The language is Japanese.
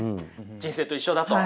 人生と一緒だと？